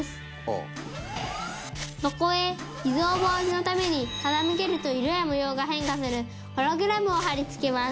そこへ偽造防止のために傾けると色や模様が変化するホログラムを貼り付けます。